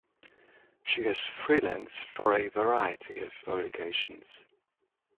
She has freelanced for a variety of publications.